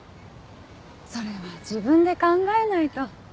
それは自分で考えないと。